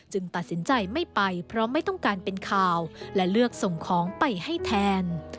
ตัดสินใจไม่ไปเพราะไม่ต้องการเป็นข่าวและเลือกส่งของไปให้แทน